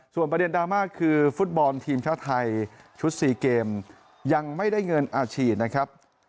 ส่วนประเด็นดราม่าคือฟุตบอลทีมชาติไทยชุด๔เกมยังไม่ได้เงินอาชีพนะครับ